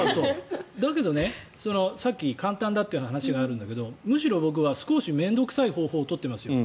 だけど、さっき簡単だって話があるんだけどむしろ僕は少し面倒臭い方法を取ってます。